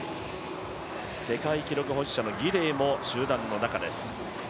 世界記録保持者のギデイも集団の中です。